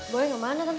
boy kemana tante